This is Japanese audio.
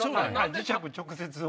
磁石直接を。